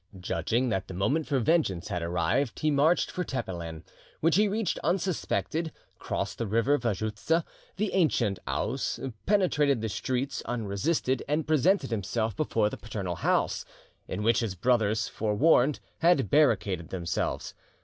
Judging that the moment for vengeance had arrived, he marched for Tepelen, which he reached unsuspected, crossed the river Vojutza, the ancient Aous, penetrated the streets unresisted, and presented himself before the paternal house, in which his brothers, forewarned, had barricaded themselves.